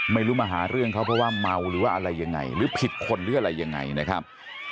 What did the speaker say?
ไม่รู้มาหาเรื่องเขาเพราะว่าเมาหรือว่าอะไรยังไงหรือผิดคนหรืออะไรยังไงนะครับ